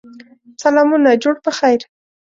سلامونه جوړ په خیر!